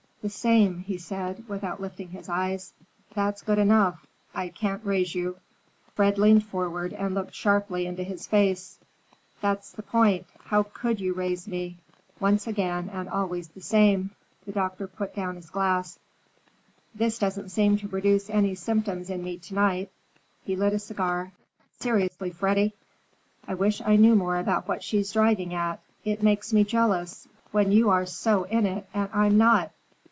"The same," he said without lifting his eyes. "That's good enough. I can't raise you." Fred leaned forward, and looked sharply into his face. "That's the point; how could you raise me? Once again!" "Once again, and always the same!" The doctor put down his glass. "This doesn't seem to produce any symptoms in me to night." He lit a cigar. "Seriously, Freddy, I wish I knew more about what she's driving at. It makes me jealous, when you are so in it and I'm not."